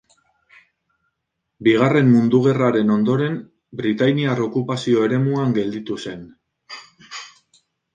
Bigarren Mundu Gerraren ondoren Britainiar Okupazio eremuan gelditu zen.